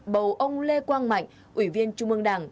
bầu ông lê quang mạnh ủy viên trung ương đảng